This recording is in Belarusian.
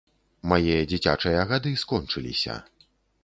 Мае дзіцячыя гады скончыліся.